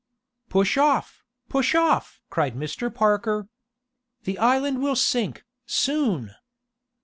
"Push off! Push off!" cried Mr. Parker. "The island will sink, soon!"